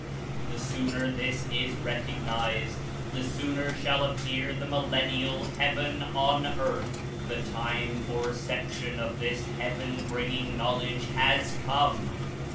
The sooner this is recognized, the sooner shall appear the millennial "Heaven on earth." The time for reception of this heaven bringing knowl edge has come.